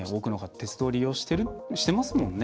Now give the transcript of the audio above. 鉄道を利用してますもんね。